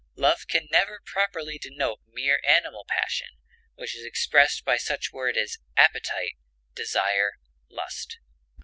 Love can never properly denote mere animal passion, which is expressed by such words as appetite, desire, lust.